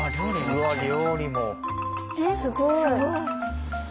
すごい。